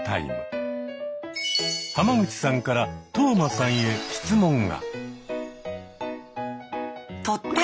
浜口さんから當間さんへ質問が。